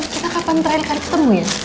kita kapan terakhir kali ketemu ya